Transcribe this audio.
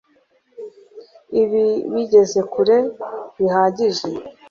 Ibi bigeze kure bihagije